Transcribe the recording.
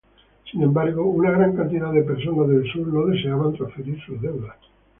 Sin embargo, una gran cantidad de personas del sur no deseaban transferir sus deudas.